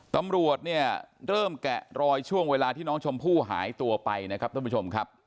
ตำรวจเนี่ยเริ่มแกะรอยช่วงเวลาที่น้องชมพู่หายตัวไปนะครับท่านผู้ชมครับ